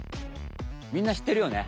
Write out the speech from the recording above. みんなしってるよね？